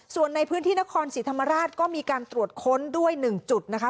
ส่วนในพื้นที่นครศรีธรรมราชก็มีการตรวจค้นด้วย๑จุดนะคะ